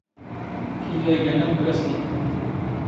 ⴽⵢⵢ ⴰⵢ ⵉⴳⴰⵏ ⴰⵏⴱⵔⴰⵣ ⵏⵏⵖ.